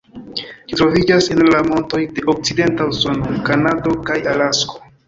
Ĝi troviĝas en la montoj de okcidenta Usono, Kanado kaj Alasko.